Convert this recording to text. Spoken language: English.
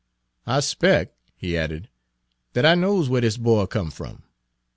I 'spec'," he added, "dat I knows whar dis boy come f'om.